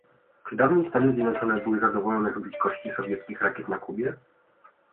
Czy dawniej Stany Zjednoczone były zadowolone z bliskości sowieckich rakiet na Kubie?